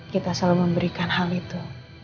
kita selalu memberikan hal itu